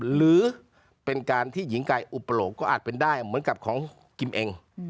หรือเป็นการที่หญิงไก่อุปโลกก็อาจเป็นได้เหมือนกับของกิมเอง